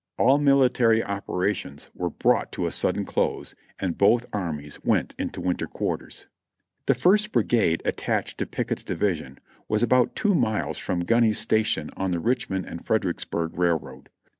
All military operations were brought to a sudden close and both armies went into winter cjuarters. The First Brigade attached to Pickett's division was about two miles from Guiney's Station on the Richmond and Freder icksburg Railroad.